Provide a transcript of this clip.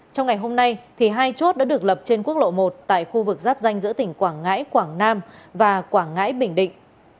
trong ngày hôm nay hai chốt đã được lập trên quốc lộ một tại khu vực giáp danh giữa tỉnh quảng ngãi quảng nam và quảng ngãi bình định